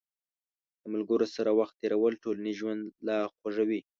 د ملګرو سره وخت تېرول ټولنیز ژوند لا خوږوي.